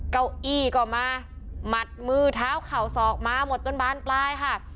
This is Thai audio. เก้าอี้ก็มาหมัดมือเท้าเข่าศอกมาหมดจนบานปลายค่ะ